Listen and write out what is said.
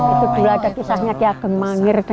itu dulu ada kisahnya kia gengmangir